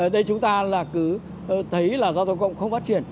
đây chúng ta là cứ thấy là giao thông cộng không phát triển